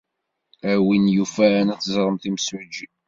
A win yufan, ad teẓremt imsujji.